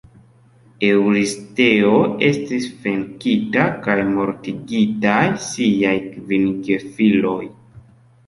Eŭristeo estis venkita kaj mortigitaj siaj kvin gefiloj.